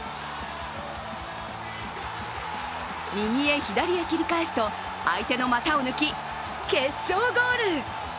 右へ左へ切り返すと、相手の股を抜き、決勝ゴール。